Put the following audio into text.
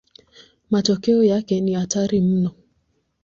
Matokeo yake ni hatari mno.